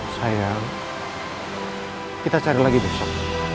sayang kita cari lagi besok